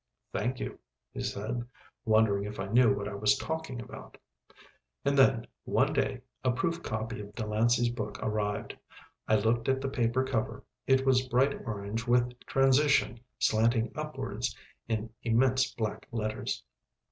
"Thank you," he said, wondering if I knew what I was talking about. And then, one day, a proof copy of Delancey's book arrived. I looked at the paper cover. It was bright orange with "Transition" slanting upwards in immense black letters.